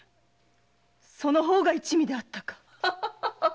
その方が一味であったか！